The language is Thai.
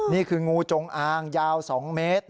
นี่คืองูจงอางยาว๒เมตร